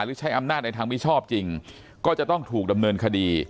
ใช้อำนาจในทางมิชอบจริงก็จะต้องถูกดำเนินคดี